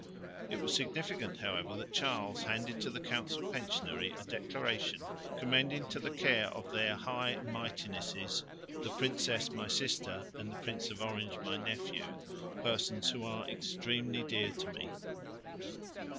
It was significant, however, that Charles handed to the council pensionary a declaration commending to the care of their High Mightinesses "the Princess my sister and the Prince of Orange my nephew, persons who are extremely dear to me."